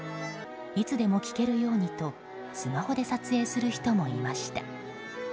いつでも聴けるようにとスマホで撮影する人もいました。